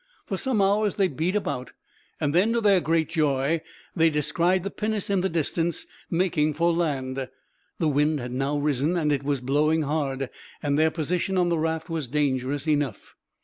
For some hours they beat about; and then, to their great joy, they descried the pinnace in the distance, making for land. The wind had now risen, and it was blowing hard, and their position on the raft was dangerous enough.